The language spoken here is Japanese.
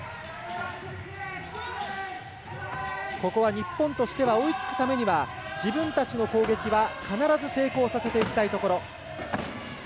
日本としては追いつくためには自分たちの攻撃は必ず成功させていきたいところ。